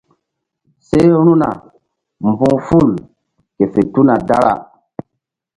Seru̧na mbu̧h ful ke fe tuna dara.